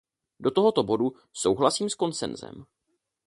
Do tohoto bodu souhlasím s konsenzem.